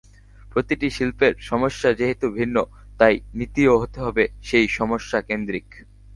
প্রতিটি শিল্পের সমস্যা যেহেতু ভিন্ন, তাই নীতিও হতে হবে সেই সমস্যাকেন্দ্রিক।